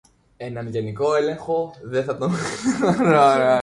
έναν γενικό έλεγχο δεν θα το γλιτώσεις αν όντως έχεις χάσει τόσα κιλά